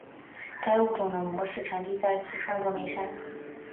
该物种的模式产地在四川峨眉山。